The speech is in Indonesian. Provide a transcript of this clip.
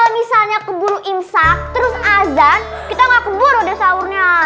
kalau misalnya keburu imsak terus azan kita gak keburu deh sahurnya